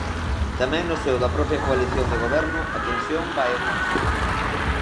Tamén no seo da propia coalición de Goberno a tensión vai en aumento.